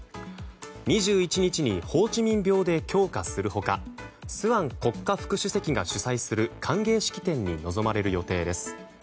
２１日にホーチミン廟で供花する他スアン国家副主席が主催する歓迎式典に臨まれる予定です。